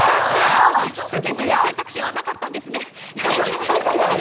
静岡県という選択肢はなかったんですね。